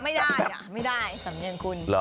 ไม่ได้สำเนียนคุณ